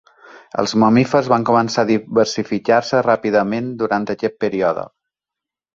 Els mamífers van començar a diversificar-se ràpidament durant aquest període.